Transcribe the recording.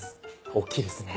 大きいですね。